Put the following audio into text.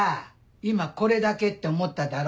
今「これだけ？」って思っただろ。